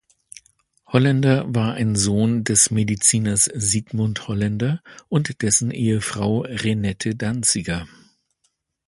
Hollaender war ein Sohn des Mediziners Siegmund Hollaender und dessen Ehefrau Renette Danziger.